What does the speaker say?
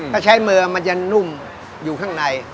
ถ้าใช้มือมันจะนุ่มอยู่ข้างใน